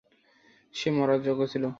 সে মরার যোগ্য ছিল।